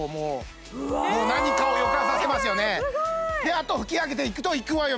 あと拭き上げていくといくわよ